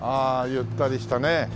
ゆったりしたね